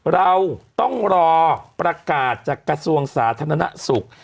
เราต้องรอประกาศจากกระทรวงสาธารณสุข